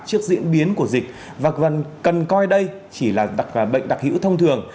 trước diễn biến của dịch và cần coi đây chỉ là bệnh đặc hữu thông thường